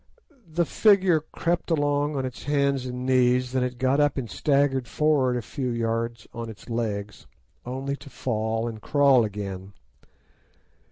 The figure crept along on its hands and knees, then it got up and staggered forward a few yards on its legs, only to fall and crawl again.